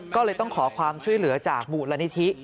ก็เลยต้องขอความช่วยเหลือจากมูลนิธิ